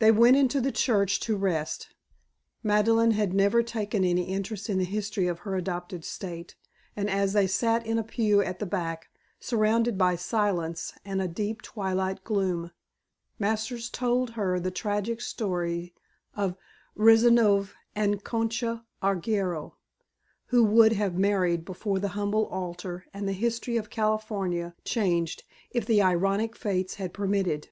They went into the church to rest. Madeleine had never taken any interest in the history of her adopted state, and as they sat in a pew at the back, surrounded by silence and a deep twilight gloom, Masters told her the tragic story of Rezanov and Concha Arguello, who would have married before that humble altar and the history of California changed if the ironic fates had permitted.